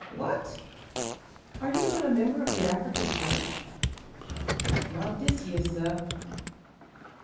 "What! are you not a member of the African church?" "Not dis year, sah."